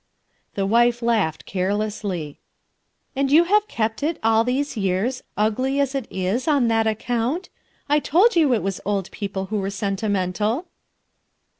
The wife laughed carelessly. "And you have kept it all these years, ugly as 134 RUTH EILSKINE'S SON it is, on that account? I told you it was old people who were sentimental."